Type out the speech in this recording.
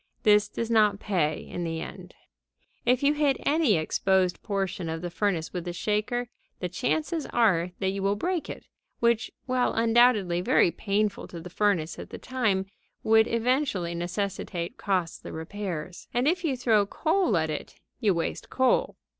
This does not pay in the end. If you hit any exposed portion of the furnace with the shaker the chances are that you will break it, which, while undoubtedly very painful to the furnace at the time, would eventually necessitate costly repairs. And, if you throw coal at it, you waste coal.